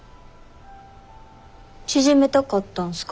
縮めたかったんすか？